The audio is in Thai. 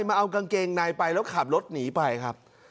มาเอากางเกงในไปแล้วขับรถหนีไปครับ